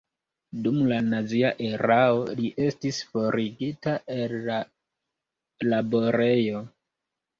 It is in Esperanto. Dum la nazia erao li estis forigita el la laborejo.